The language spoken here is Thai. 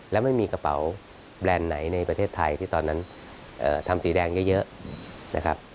แล้วไม่มีกระเป๋าแบรนด์ไหนในประเทศไทยที่ตอนนั้นทำสีแดงเยอะนะครับ